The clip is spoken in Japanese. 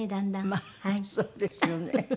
まあそうですよね。